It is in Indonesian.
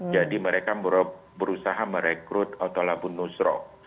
jadi mereka berusaha merekrut othala bun nusro